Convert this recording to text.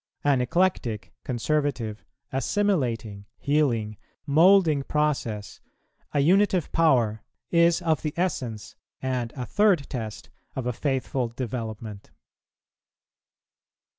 An eclectic, conservative, assimilating, healing, moulding process, a unitive power, is of the essence, and a third test, of a faithful development.